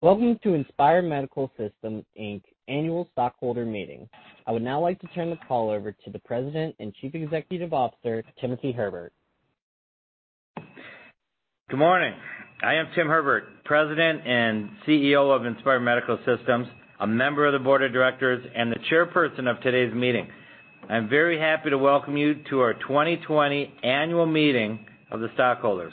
Welcome to Inspire Medical Systems, Inc.'s annual stockholder meeting. I would now like to turn the call over to the President and Chief Executive Officer, Timothy Herbert. Good morning. I am Tim Herbert, President and CEO of Inspire Medical Systems, a member of the Board of Directors, and the Chairperson of today's meeting. I'm very happy to welcome you to our 2020 annual meeting of the stockholders.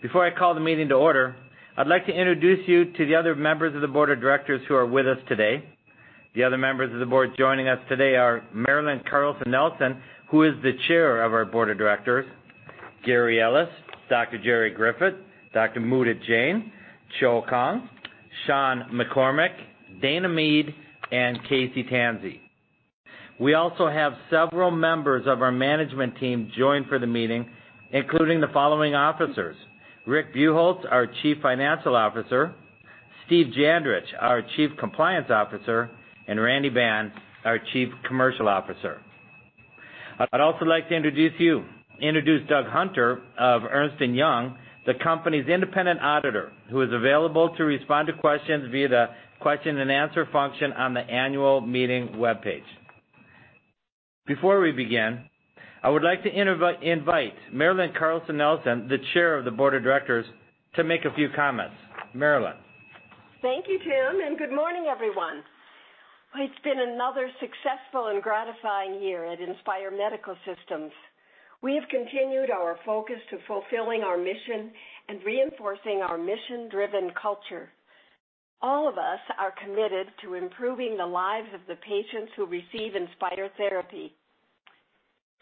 Before I call the meeting to order, I'd like to introduce you to the other members of the Board of Directors who are with us today. The other members of the Board joining us today are Marilyn Carlson Nelson, who is the Chair of our Board of Directors, Gary Ellis, Dr. Jerry Griffith, Dr. Mudit Jain, Chau Khuong, Shawn McCormick, Dana Mead, and Casey Tansey. We also have several members of our Management Team joined for the meeting, including the following Officers: Rick Buchholz, our Chief Financial Officer, Steve Jandrich, our Chief Compliance Officer, and Randy Ban, our Chief Commercial Officer. I'd also like to introduce Doug Hunter of Ernst & Young, the company's independent auditor, who is available to respond to questions via the question and answer function on the annual meeting webpage. Before we begin, I would like to invite Marilyn Carlson Nelson, the Chair of the Board of Directors, to make a few comments. Marilyn? Thank you, Tim. Good morning, everyone. It's been another successful and gratifying year at Inspire Medical Systems. We have continued our focus to fulfilling our mission and reinforcing our mission-driven culture. All of us are committed to improving the lives of the patients who receive Inspire therapy.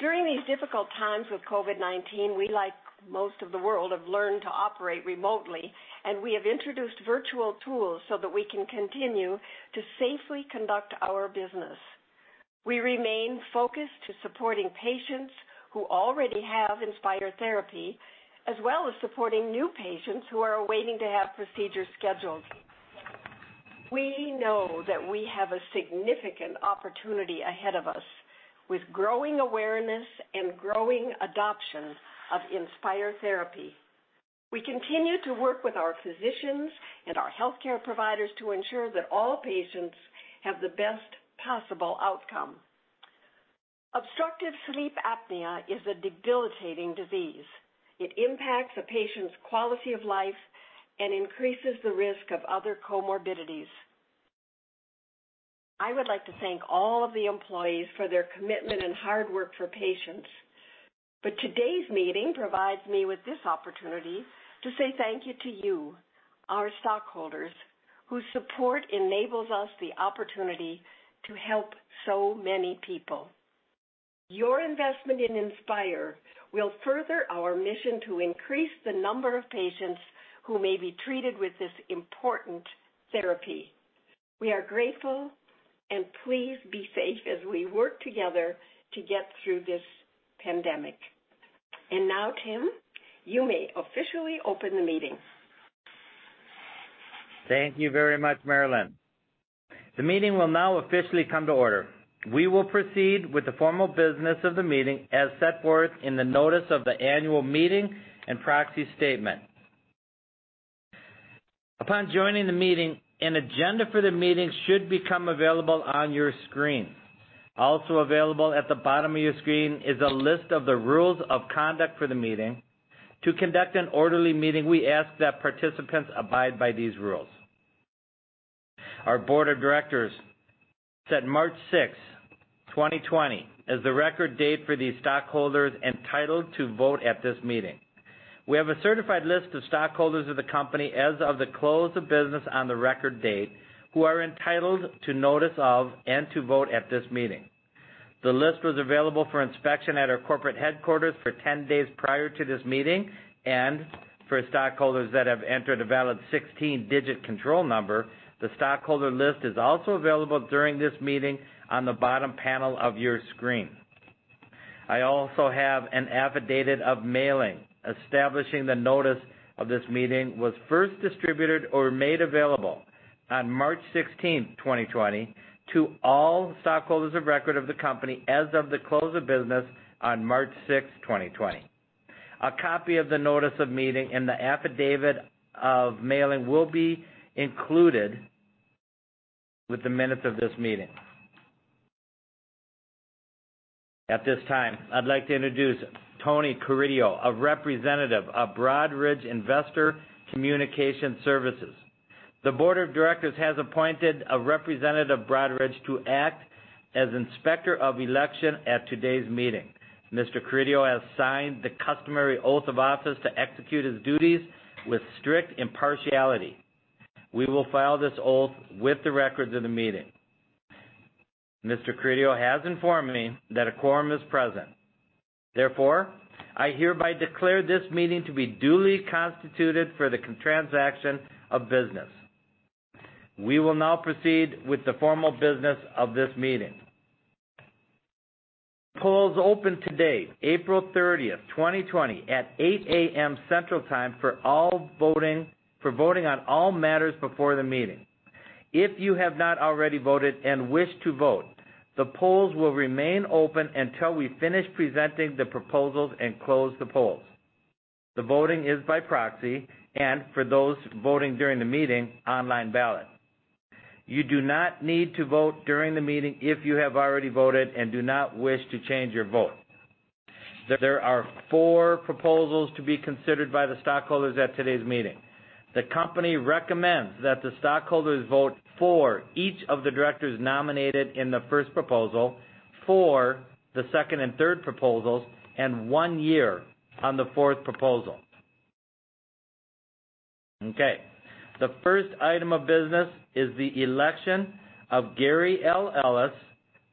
During these difficult times with COVID-19, we, like most of the world, have learned to operate remotely, and we have introduced virtual tools so that we can continue to safely conduct our business. We remain focused to supporting patients who already have Inspire therapy, as well as supporting new patients who are waiting to have procedures scheduled. We know that we have a significant opportunity ahead of us with growing awareness and growing adoption of Inspire therapy. We continue to work with our physicians and our healthcare providers to ensure that all patients have the best possible outcome. Obstructive sleep apnea is a debilitating disease. It impacts a patient's quality of life and increases the risk of other comorbidities. I would like to thank all of the employees for their commitment and hard work for patients. Today's meeting provides me with this opportunity to say thank you to you, our stockholders, whose support enables us the opportunity to help so many people. Your investment in Inspire will further our mission to increase the number of patients who may be treated with this important therapy. We are grateful, and please be safe as we work together to get through this pandemic. Now, Tim, you may officially open the meeting. Thank you very much, Marilyn. The meeting will now officially come to order. We will proceed with the formal business of the meeting as set forth in the notice of the annual meeting and proxy statement. Upon joining the meeting, an agenda for the meeting should become available on your screen. Also available at the bottom of your screen is a list of the rules of conduct for the meeting. To conduct an orderly meeting, we ask that participants abide by these rules. Our board of directors set March 6, 2020, as the record date for the stockholders entitled to vote at this meeting. We have a certified list of stockholders of the company as of the close of business on the record date, who are entitled to notice of and to vote at this meeting. The list was available for inspection at our corporate headquarters for 10 days prior to this meeting, and for stockholders that have entered a valid 16-digit control number, the stockholder list is also available during this meeting on the bottom panel of your screen. I also have an affidavit of mailing, establishing the notice of this meeting was first distributed or made available on March 16, 2020, to all stockholders of record of the company as of the close of business on March 6, 2020. A copy of the notice of meeting and the affidavit of mailing will be included with the minutes of this meeting. At this time, I'd like to introduce Tony Carideo, a representative of Broadridge Investor Communication Solutions. The board of directors has appointed a representative of Broadridge to act as Inspector of Election at today's meeting. Mr. Carideo has signed the customary oath of office to execute his duties with strict impartiality. We will file this oath with the records of the meeting. Mr. Carideo has informed me that a quorum is present. Therefore, I hereby declare this meeting to be duly constituted for the transaction of business. We will now proceed with the formal business of this meeting. Polls opened today, April 30, 2020, at 8:00 A.M. Central Time for voting on all matters before the meeting. If you have not already voted and wish to vote, the polls will remain open until we finish presenting the proposals and close the polls. The voting is by proxy, and for those voting during the meeting, online ballot. You do not need to vote during the meeting if you have already voted and do not wish to change your vote. There are four proposals to be considered by the stockholders at today's meeting. The company recommends that the stockholders vote for each of the directors nominated in the first proposal, for the second and third proposals, and one year on the fourth proposal. Okay. The first item of business is the election of Gary L. Ellis,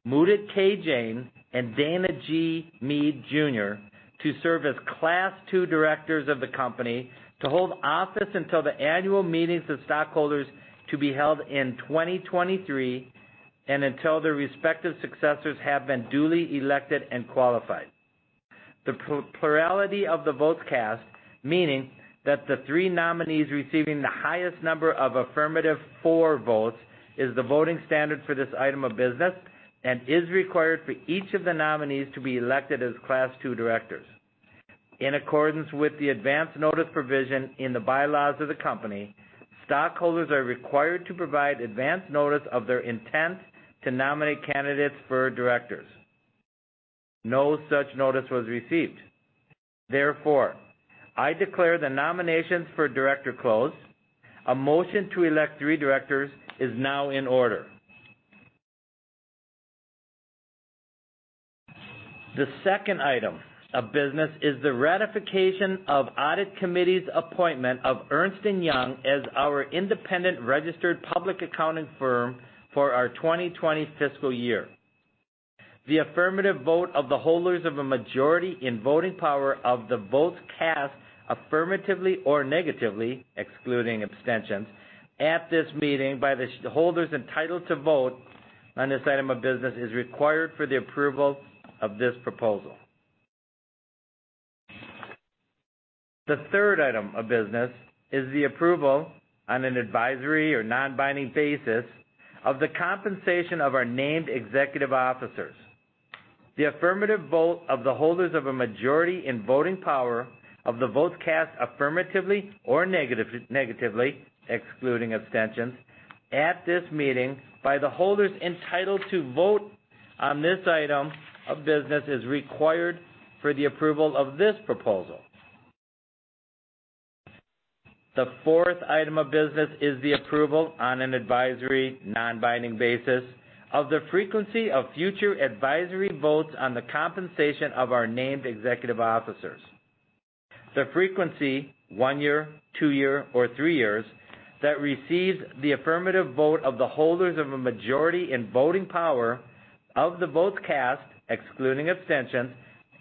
Mudit K. Jain, and Dana G. Mead, Jr. to serve as Class II Directors of the company to hold office until the annual meetings of stockholders to be held in 2023, and until their respective successors have been duly elected and qualified. The plurality of the votes cast, meaning that the three nominees receiving the highest number of affirmative "for" votes, is the voting standard for this item of business and is required for each of the nominees to be elected as Class II Directors. In accordance with the advance notice provision in the bylaws of the company, stockholders are required to provide advance notice of their intent to nominate candidates for directors. No such notice was received. Therefore, I declare the nominations for director closed. A motion to elect three directors is now in order. The second item of business is the ratification of Audit Committee's appointment of Ernst & Young as our independent registered public accounting firm for our 2020 fiscal year. The affirmative vote of the holders of a majority in voting power of the votes cast affirmatively or negatively, excluding abstentions, at this meeting by the holders entitled to vote on this item of business is required for the approval of this proposal. The third item of business is the approval on an advisory or non-binding basis of the compensation of our named executive officers. The affirmative vote of the holders of a majority in voting power of the votes cast affirmatively or negatively, excluding abstentions, at this meeting by the holders entitled to vote on this item of business is required for the approval of this proposal. The fourth item of business is the approval on an advisory non-binding basis of the frequency of future advisory votes on the compensation of our named executive officers. The frequency, one year, two year, or three years, that receives the affirmative vote of the holders of a majority in voting power of the votes cast, excluding abstentions,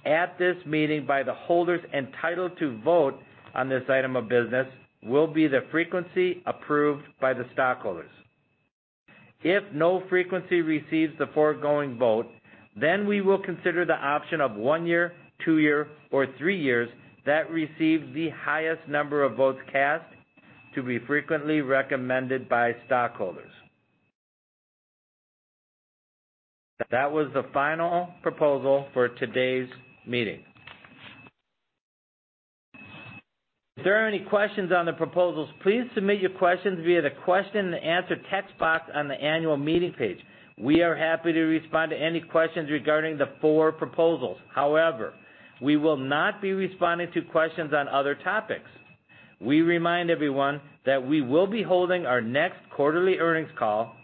at this meeting by the holders entitled to vote on this item of business will be the frequency approved by the stockholders. If no frequency receives the foregoing vote, then we will consider the option of one year, two year, or three years that received the highest number of votes cast to be frequently recommended by stockholders. That was the final proposal for today's meeting. If there are any questions on the proposals, please submit your questions via the question and answer text box on the annual meeting page. We are happy to respond to any questions regarding the four proposals. However, we will not be responding to questions on other topics. We remind everyone that we will be holding our next quarterly earnings call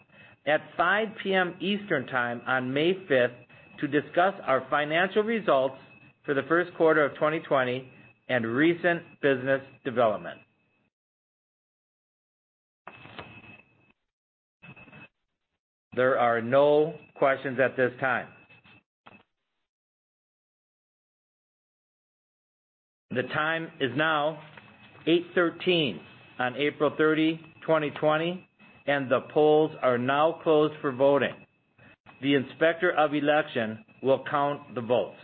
at 5:00 P.M. Eastern Time on May 5th to discuss our financial results for the first quarter of 2020 and recent business development. There are no questions at this time. The time is now 8:13 on April 30, 2020, and the polls are now closed for voting. The Inspector of Election will count the votes.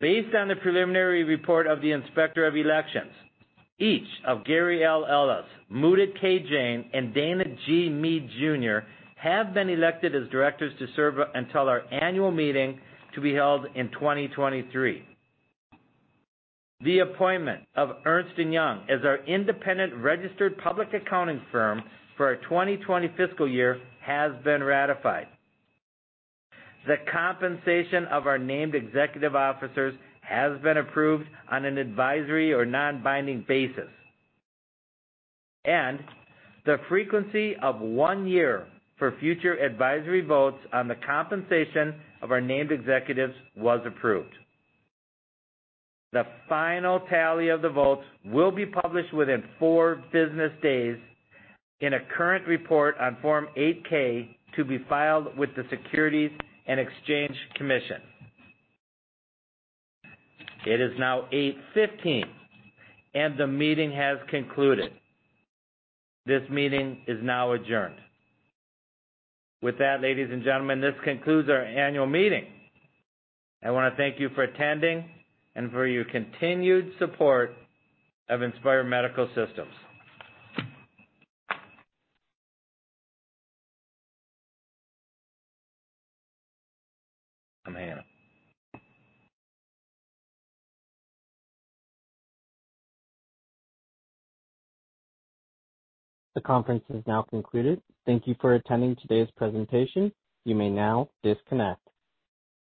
Based on the preliminary report of the Inspector of Elections, each of Gary L. Ellis, Mudit K. Jain, and Dana G. Mead, Jr. have been elected as directors to serve until our annual meeting to be held in 2023. The appointment of Ernst & Young as our independent registered public accounting firm for our 2020 fiscal year has been ratified. The compensation of our named executive officers has been approved on an advisory or non-binding basis. The frequency of one year for future advisory votes on the compensation of our named executives was approved. The final tally of the votes will be published within four business days in a current report on Form 8-K to be filed with the Securities and Exchange Commission. It is now 8:15 A.M., and the meeting has concluded. This meeting is now adjourned. With that, ladies and gentlemen, this concludes our annual meeting. I want to thank you for attending and for your continued support of Inspire Medical Systems. I'm hanging up. The conference is now concluded. Thank you for attending today's presentation. You may now disconnect.